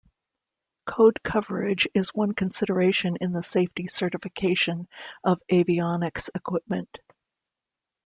Code coverage is one consideration in the safety certification of avionics equipment.